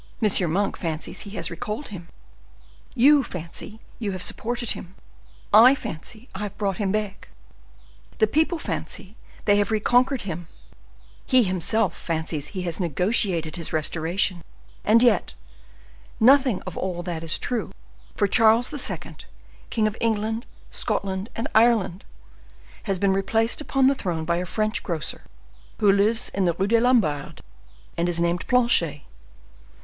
Monk fancies he has recalled him, you fancy you have supported him, I fancy I have brought him back, the people fancy they have reconquered him, he himself fancies he has negotiated his restoration; and yet nothing of all this is true, for Charles II., king of England, Scotland, and Ireland, has been replaced upon the throne by a French grocer, who lives in the Rue des Lombards, and is named Planchet.